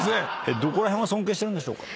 どこら辺尊敬してるんでしょう？